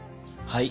はい。